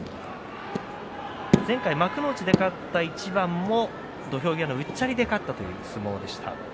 前回、幕内で勝った一番も土俵際のうっちゃりで勝ったという相撲でした。